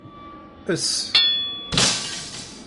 Ess!